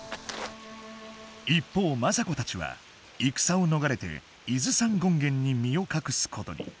一方政子たちは戦を逃れて伊豆山権現に身を隠すことに。